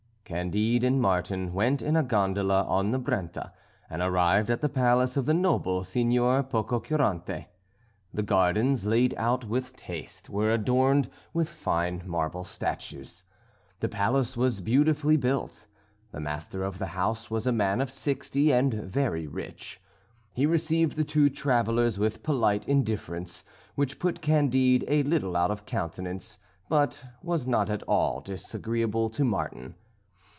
Candide and Martin went in a gondola on the Brenta, and arrived at the palace of the noble Signor Pococurante. The gardens, laid out with taste, were adorned with fine marble statues. The palace was beautifully built. The master of the house was a man of sixty, and very rich. He received the two travellers with polite indifference, which put Candide a little out of countenance, but was not at all disagreeable to Martin.